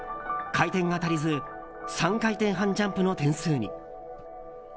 回転が足りず３回転半ジャンプの点数に。